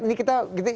ini kita akhirnya